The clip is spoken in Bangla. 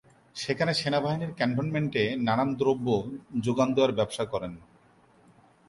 সেখানে সেনাবাহিনীর ক্যান্টনমেন্টে নানান দ্রব্য জোগান দেওয়ার ব্যবসা করেন।